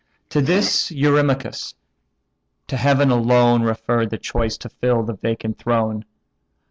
To this Eurymachus: "To Heaven alone Refer the choice to fill the vacant throne.